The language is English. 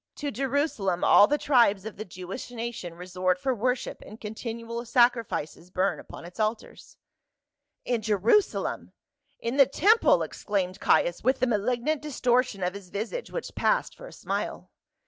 To Jerusa lem all the tribes of the Jewish nation resort for wor ship, and continual sacrifices burn upon its altars." " In Jerusalem — in the temple!" exclaimed Caius, with the malignant distortion of his visage which passed for a smile.